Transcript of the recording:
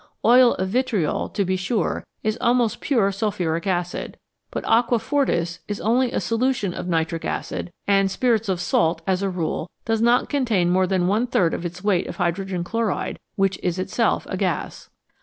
Oil of vitriol, to be sure, is almost pure sulphuric acid, but " aqua fortis " is only a solution of nitric acid, and " spirits of salt," as a rule, does not contain more than one third of its weight of hydrogen chloride, which is itself a gas.